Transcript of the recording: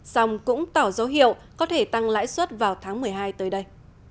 xong cũng tỏ dấu hiệu có thể tăng lãi suất vào tháng một mươi hai tới đây